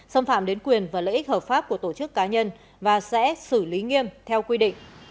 xâm phạm đến quyền và lợi ích hợp pháp của tổ chức cá nhân và sẽ xử lý nghiêm theo quy định